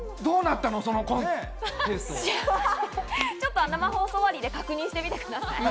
ちょっと、生放送終わりで確認してみてください。